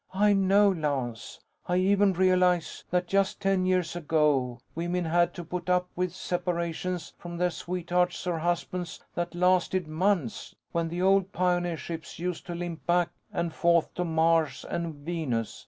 "I know, Lance. I even realize that just ten years ago, women had to put up with separations from their sweethearts or husbands that lasted months. When the old pioneer ships used to limp back and forth to Mars and Venus.